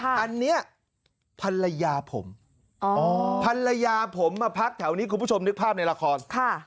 อันนี้ภรรยาผมภรรยาผมมาพักแถวนี้คุณผู้ชมนึกภาพในละคร